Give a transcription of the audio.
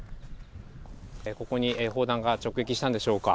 ここに砲弾が直撃したんでしょうか。